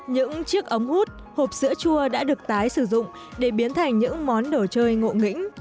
những chiếc ống hút hộp sữa chua đã được tái sử dụng để biến thành những món đồ chơi ngộ nghĩnh